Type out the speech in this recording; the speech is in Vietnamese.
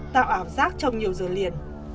tạo ảo giác trong nhiều giờ liền